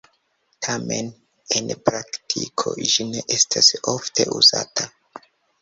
Tamen, en praktiko ĝi ne estas ofte uzata.